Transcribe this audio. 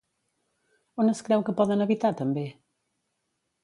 On es creu que poden habitar també?